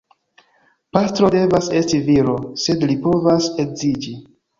Pastro devas esti viro, sed li povas edziĝi.